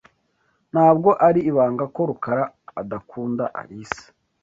Ntabwo ari ibanga ko Rukara adakunda Alice.